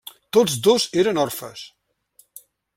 Tots dos eren orfes.